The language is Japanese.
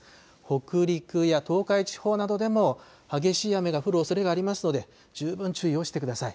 北陸や東海地方などでも激しい雨が降るおそれがありますので十分注意をしてください。